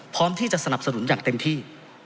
พร้อมที่จะสนับสนุนอย่างเต็มที่